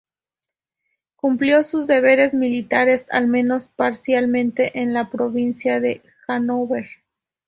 Cumplió sus deberes militares al menos parcialmente en la provincia de Hannover.